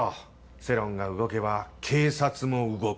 世論が動けば警察も動く。